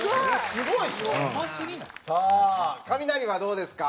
すごい！さあカミナリはどうですか？